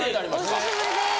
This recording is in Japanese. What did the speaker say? お久しぶりです。